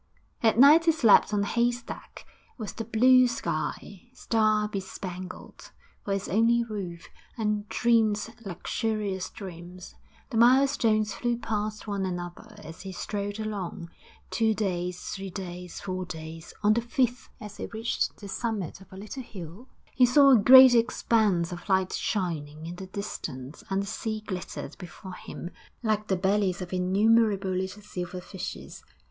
At night he slept on a haystack, with the blue sky, star bespangled, for his only roof, and dreamed luxurious dreams.... The mile stones flew past one another as he strode along, two days, three days, four days. On the fifth, as he reached the summit of a little hill, he saw a great expanse of light shining in the distance, and the sea glittered before him like the bellies of innumerable little silver fishes.